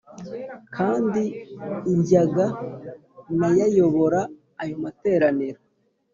kandi njyaga nayayobora ayo materaniro